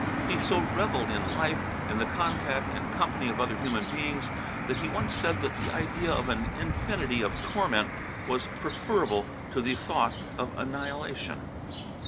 He so revelled in life, in the contact and company of other human beings, that he once said that the idea of an infinity of torment was preferable to the thought of annihilation.